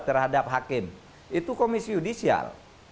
terhadap hakim itu komisi yudisial